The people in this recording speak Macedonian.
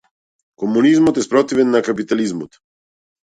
Комунизмот е спротивен на капитализмот.